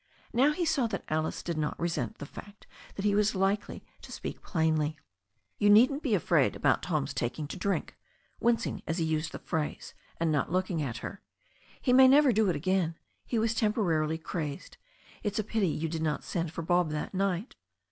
Now he saw that Alice did not resent the fact that he was likely to speak plainly. "You needn't be afraid about Tom's taking to drink," wincing as he used the phrase and not looking at her. "He may never do it again. He was temporarily crazed. It's a pity you did not send for Bob that night."